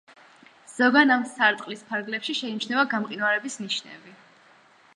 ზოგან ამ სარტყლის ფარგლებში შეიმჩნევა გამყინვარების ნიშნები.